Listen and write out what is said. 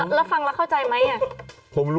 แล้วฟังแล้วเข้าใจไหม